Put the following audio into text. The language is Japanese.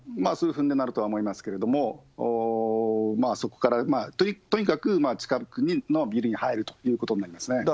数分で鳴るとは思いますけれども、そこからとにかく、近くのビルに入るということになりますね。